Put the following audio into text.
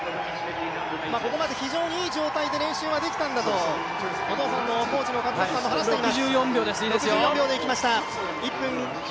ここまで非常にいい状態で練習ができたんだとお父さんのコーチの健智さんも話しています。